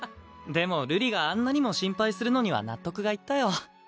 でも瑠璃があんなにも心配するのには納得がいったよ。